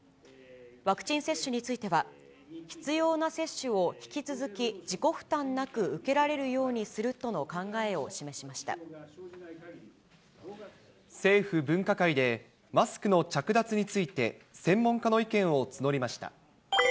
ワクチン接種については、必要な接種を引き続き自己負担なく受けられるようにするとの考え政府分科会で、マスクの着脱について専門家の意見を募りました。